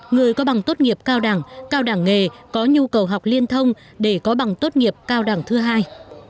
người có bằng tốt nghiệp cao đẳng cao đẳng nghề có nhu cầu học liên thông để có bằng tốt nghiệp cao đẳng thứ hai